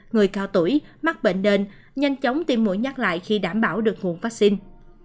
người cao tuổi mắc bệnh nền nhanh chóng tiêm mũi nhắc lại khi đảm bảo được nguồn vaccine